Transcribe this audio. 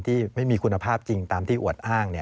ที่ไม่มีคุณภาพจริงตามที่อวดอ้าง